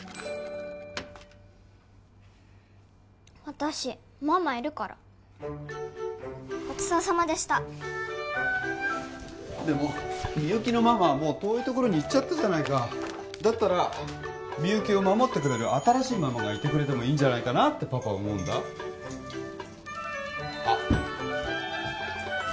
私ママいるからごちそうさまでしたでもみゆきのママはもう遠いところに行っちゃったじゃないかだったらみゆきを守ってくれる新しいママがいてくれてもいいんじゃないかなってパパは思うんだあっ